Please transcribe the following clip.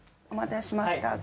お待たせしました。